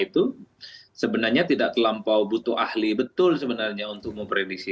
itu sebenarnya tidak terlampau butuh ahli betul sebenarnya untuk memprediksi